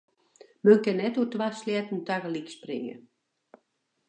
Men kin net oer twa sleatten tagelyk springe.